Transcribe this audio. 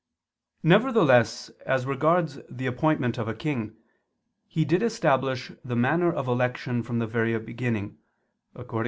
Nevertheless, as regards the appointment of a king, He did establish the manner of election from the very beginning (Deut.